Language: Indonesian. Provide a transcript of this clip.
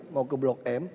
mau ke blok m